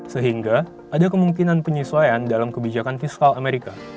sehingga ada kemungkinan penyesuaian dalam kebijakan fiskal amerika